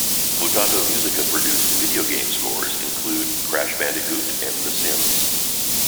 Mutato Muzika-produced video game scores include "Crash Bandicoot" and "The Sims".